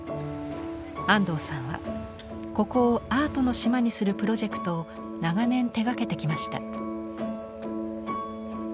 安藤さんはここをアートの島にするプロジェクトを長年手がけてきました。